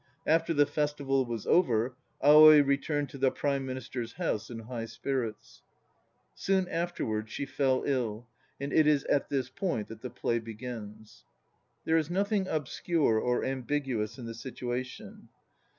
After the festival was over Aoi returned to the Prime Minister's house in high spirits. Soon afterwards she fell ill, and it is at this point that the play begins. There is nothing obscure or ambiguous in the situation.